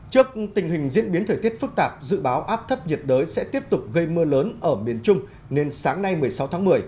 trước tình hình diễn biến thời tiết phức tạp dự báo áp thấp nhiệt đới sẽ tiếp tục gây mưa lớn ở miền trung nên sáng nay một mươi sáu tháng một mươi